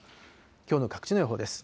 きょうの各地の予報です。